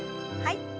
はい。